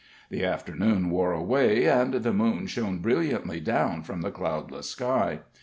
The afternoon wore away, and the moon shone brilliantly down from the cloudless sky.